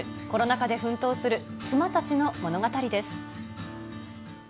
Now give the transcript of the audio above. コロナ禍で奮闘する妻たちの物語です。